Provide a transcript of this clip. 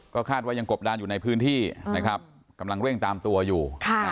ก็คาดว่ายังกบดานอยู่ในพื้นที่นะครับกำลังเร่งตามตัวอยู่